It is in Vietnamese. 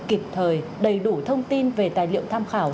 kịp thời đầy đủ thông tin về tài liệu tham khảo